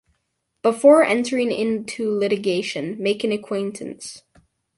Before entering into litigation, make an acquaintance.